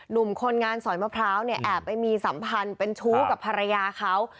หนุ่มคนงานสอยมะพร้าวเนี่ยแอบไปมีสัมพันธ์เป็นชู้กับภรรยาเขา